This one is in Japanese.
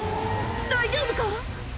大丈夫か？